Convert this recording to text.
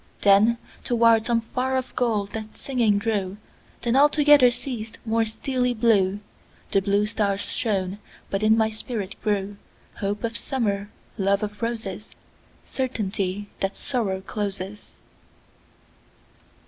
Then toward some far off goal that singing drew; Then altogether ceas'd; more steely blueThe blue stars shone; but in my spirit grewHope of Summer, love of Roses, Certainty that Sorrow closes.